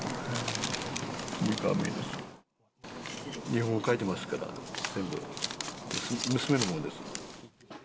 日本語書いてますから、全部、娘のものです。